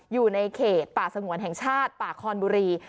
อยู่ในเขตป่าสงวนแห่งชาติป่าคอนบุรี